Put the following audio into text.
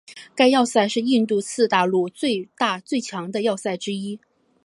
该要塞是印度次大陆最大最强的要塞之一。